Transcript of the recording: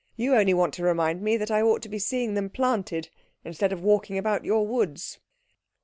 You only want to remind me that I ought to be seeing them planted instead of walking about your woods."